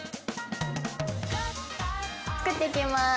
作っていきます。